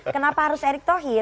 kenapa harus erick thohir